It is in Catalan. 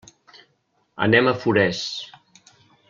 Anem a Forès.